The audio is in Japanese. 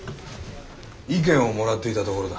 意見をもらっていたところだ。